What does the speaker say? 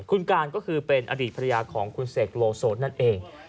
คุณการก็คือเป็นอดีตภรรยาของคุณเสกโลโซนั่นเอง